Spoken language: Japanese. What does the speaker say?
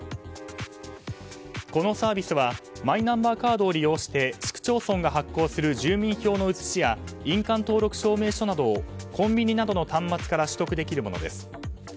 このサービスはマイナンバーカードを利用して市区町村が発行する住民票の写しや印鑑登録証明書などをコンビニなどの端末から取得できるものです。